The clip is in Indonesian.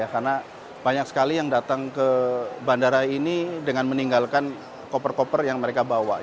karena banyak sekali yang datang ke bandara ini dengan meninggalkan koper koper yang mereka bawa